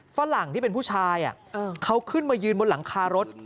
ฝรั่งที่เป็นผู้ชายเขาขึ้นมายืนบนหลังคารถ